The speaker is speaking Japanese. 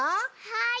はい！